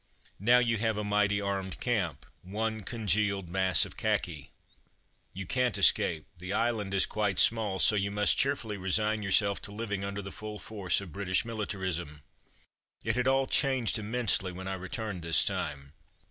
Now, you have a mighty armed camp ; one congealed mass of khaki. You can't escape; the island is quite small, so you must cheerfully resign yourself to living under the full force of British militar ism. It had all changed immensely when I returned this time.